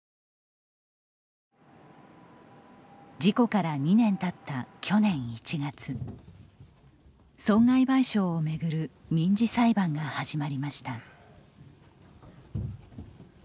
事故から２年たった去年１月損害賠償を巡る民事裁判が始まりました。